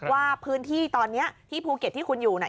ว่าพื้นที่ตอนนี้ที่ภูเก็ตที่คุณอยู่เนี่ย